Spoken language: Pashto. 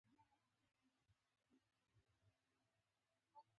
پرېږده زهر زهر ژوند دې خپل وجود کې سم مړ کړي